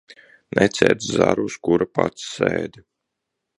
Necērt zaru, uz kura pats sēdi.